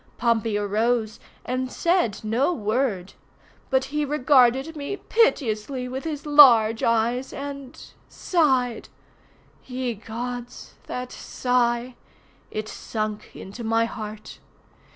Pompey arose, and said no word. But he regarded me piteously with his large eyes and—sighed. Ye Gods—that sigh! It sunk into my heart.